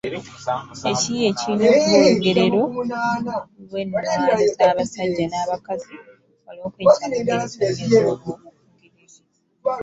Ekiyiiye kirina okuba olugerero lw’ennwaano z’abasajja n’abakazi olw’okweggya mu ngeri zonna ez’obungigiriza.